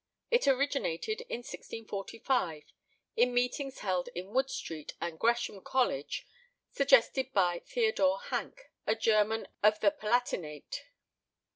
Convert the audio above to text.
It originated in 1645, in meetings held in Wood Street and Gresham College, suggested by Theodore Hank, a German of the Palatinate.